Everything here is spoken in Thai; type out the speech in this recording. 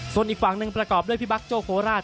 ส่วนอีกฝั่งหนึ่งประกอบด้วยพี่บัคโจ้โคราช